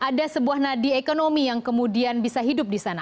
karena kita lihat juga bahwa ada sebuah nadi ekonomi yang kemudian bisa hidup di sana